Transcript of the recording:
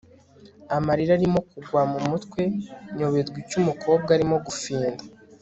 amarira arimo kungwa mumutwe, nyoberwa icyo umukobwa arimo gufinda